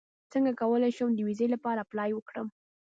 څنګه کولی شم د ویزې لپاره اپلای وکړم